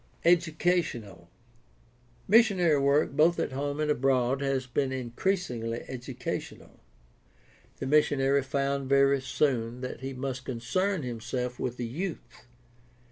EducationaL — Missionary work both at home and abroad has been increasingly educational. The missionary found very soon that he must concern himself with the youth.